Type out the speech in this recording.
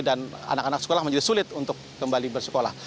dan anak anak sekolah menjadi sulit untuk kembali bersekolah